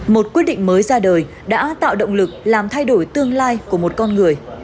một quyết định mới ra đời đã tạo động lực làm thay đổi tương lai của một con người